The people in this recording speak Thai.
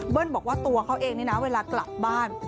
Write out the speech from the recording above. บอกว่าตัวเขาเองนี่นะเวลากลับบ้าน